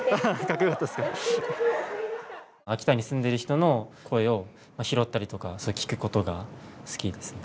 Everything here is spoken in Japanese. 秋田に住んでる人の声を拾ったりとか聴くことが好きですね。